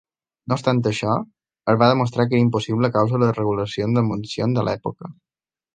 No obstant això, es va demostrar que era impossible a causa de les regulacions d'emissions de l'època.